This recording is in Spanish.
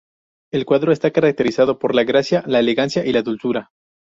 El cuadro está caracterizado por la gracia, la elegancia y la dulzura.